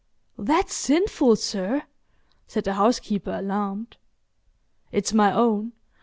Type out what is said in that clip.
"That's sinful, sir," said the housekeeper, alarmed. "It's my own.